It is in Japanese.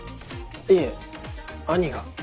いえ兄が。